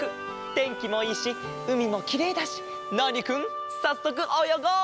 てんきもいいしうみもきれいだしナーニくんさっそくおよごう！